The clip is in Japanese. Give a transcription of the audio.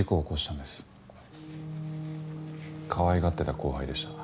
かわいがってた後輩でした。